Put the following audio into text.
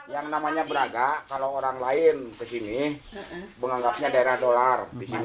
yang namanya beragak kalau orang lain kesini menganggapnya daerah dolar